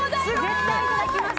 絶対いただきます